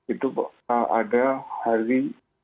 itu ada hari